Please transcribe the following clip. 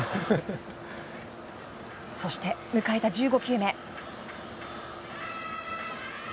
そして、迎えた１５球目。